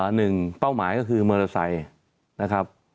เป้าหมายก็คือมอเตอร์ไซค์นะครับ